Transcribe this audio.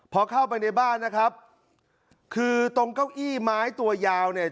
พอเข้าไปในบ้านนะครับคือตรงเก้าอี้ไม้ตัวยาวเนี่ย